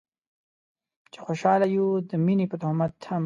چې خوشحاله يو د مينې په تهمت هم